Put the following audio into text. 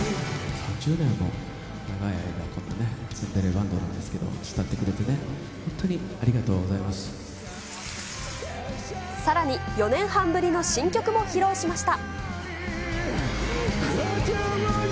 ３０年も長い間、こんなツンデレバンドなんですけど、慕ってくれてね、本当にありがとうござさらに４年半ぶりの新曲も披露しました。